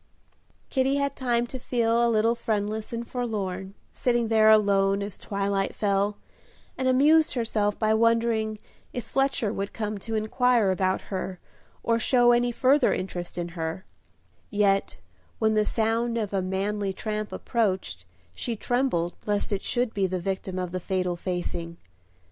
Kitty had time to feel a little friendless and forlorn, sitting there alone as twilight fell, and amused herself by wondering if Fletcher would come to inquire about her, or show any further interest in her; yet when the sound of a manly tramp approached, she trembled lest it should be the victim of the fatal facing.